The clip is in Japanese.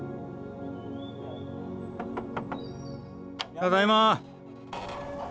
ただいま！